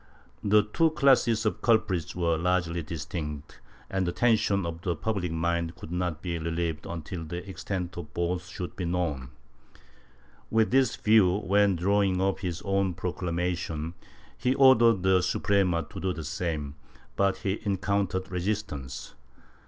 The two classes of culprits were largely distinct, and the tension of the public mind could not be relieved until the extent of both should be known. With this view, when drawing up his own proclamation, he ordered the Suprema to do the same, but he encountered resistance.